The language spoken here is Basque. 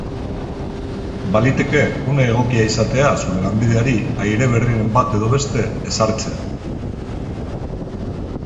Baliteke une egokia izatea zure lanbideari aire berriren bat edo beste ezartzea.